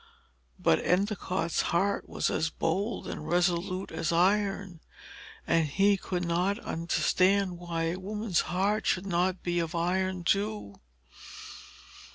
But Endicott's heart was as bold and resolute as iron, and he could not understand why a woman's heart should not be of iron too.